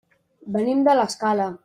Venim de l'Escala.